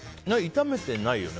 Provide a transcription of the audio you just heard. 炒めてないよね？